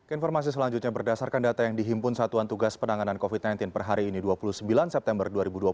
informasi selanjutnya berdasarkan data yang dihimpun satuan tugas penanganan covid sembilan belas per hari ini dua puluh sembilan september dua ribu dua puluh